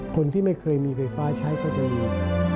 คนที่ไม่เคยมีไฟฟ้าใช้ก็จะอยู่